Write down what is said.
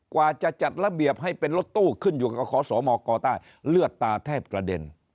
กว่าจะจัดระเบียบให้เป็นรถตู้ขึ้นอยู่กับขอสมกใต้เลือดตาแทบกระเด็น